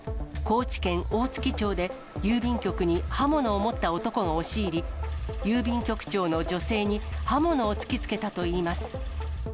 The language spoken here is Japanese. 高知県大月町で、郵便局に刃物を持った男が押し入り、郵便局長の女性に刃物を突きつけたといいます。